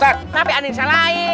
siapa yang aneh aneh saya lain